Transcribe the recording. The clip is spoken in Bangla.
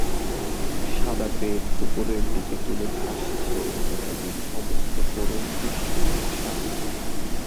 সাদা পেট ওপরের দিকে তুলে ভাসছে পৃথিবীর সমস্ত করুণ দৃশ্যকে সাথি করে।